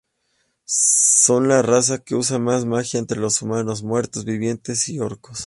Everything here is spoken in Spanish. Son la raza que usa más magia entre los humanos, muertos vivientes y orcos.